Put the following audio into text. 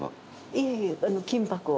いえいえ金箔を。